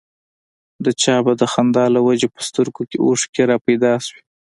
د چا به د خندا له وجې په سترګو کې اوښکې را پيدا شوې.